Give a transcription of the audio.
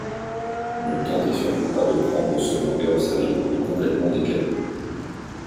Ne tentez surtout pas de prendre ce manga au sérieux, il est complètement décalé.